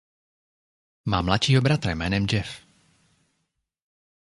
Má mladšího bratra jménem Jeff.